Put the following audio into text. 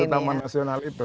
iya satu taman nasional itu